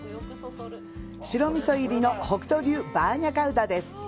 白味入りの北斗流バーニャカウダです